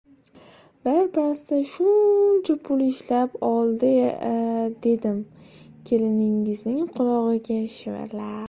— Birpasda shuncha pul ishlab oldi-ya! — dedim keliningizning qulog‘iga shivirlab.